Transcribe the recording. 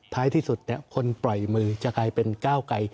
ท้ายที่สุดคนปล่อยมือจะกลายเป็นก้าวไกล